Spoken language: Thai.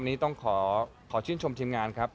นี้ต้องขอชื่นชมทีมงานครับ